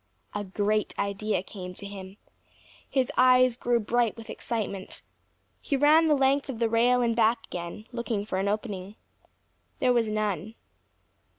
A great idea came to him. His eyes grew bright with excitement. He ran the length of the rail and back again, looking for an opening. There was none.